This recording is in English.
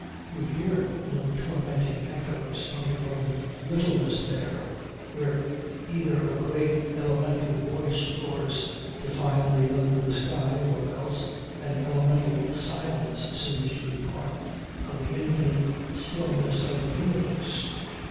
You hear no tormenting echoes of your own littleness there, where either a great elemental voice roars defiantly under the sky or else an elemental silence seems to be part of the infinite stillness of the universe.